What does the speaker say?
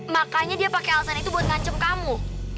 makanya dia pakai alasan itu buat ngancem kamu